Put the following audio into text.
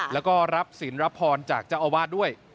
แล้วก็รับศิลป์รับพรจากเจ้าอาวาสด้วย